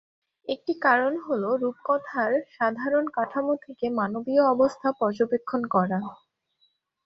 একটি কারণ হল রূপকথার সাধারণ কাঠামো থেকে মানবীয় অবস্থা পর্যবেক্ষণ করা।